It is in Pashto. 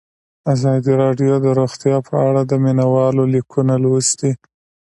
ازادي راډیو د روغتیا په اړه د مینه والو لیکونه لوستي.